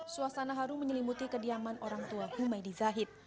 suasana haru menyelimuti kediaman orang tua humaydi zahid